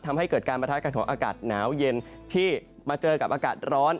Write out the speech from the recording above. ทำให้เกิดการประทะกันของอากาศหนาวเย็นที่มาเจอกับอากาศร้อน